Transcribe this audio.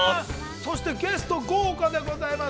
そしてゲスト、豪華でございます。